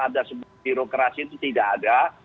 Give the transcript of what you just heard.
ada sebuah birokrasi itu tidak ada